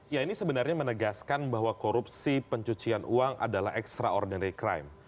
ya ini sebenarnya menegaskan bahwa korupsi pencucian uang adalah extraordinary crime